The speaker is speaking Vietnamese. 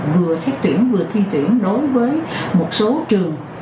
vừa xét tuyển vừa thi tuyển đối với một số trường